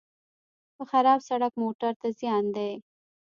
په خراب سړک موټر ته زیان دی.